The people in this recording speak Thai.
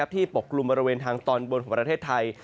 ปกกลุ่มบริเวณทางตอนบนของประเทศไทย